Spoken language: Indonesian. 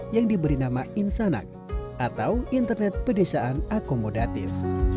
yang diberi nama insanak atau internet pedesaan akomodatif